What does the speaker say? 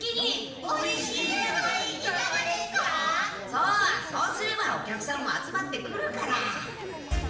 そうそうすればお客さんも集まってくるから。